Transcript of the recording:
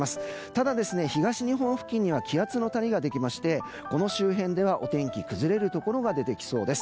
ただ、東日本付近には気圧の谷ができましてこの周辺ではお天気崩れるところが出てきそうです。